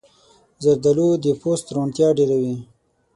زردالو د پوست روڼتیا ډېروي.